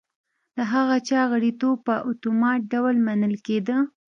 د هغه چا غړیتوب په اتومات ډول منل کېده.